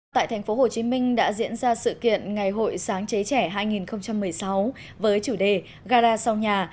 tại thành phố hồ chí minh đã diễn ra sự kiện ngày hội sáng chế trẻ hai nghìn một mươi sáu với chủ đề gara sau nhà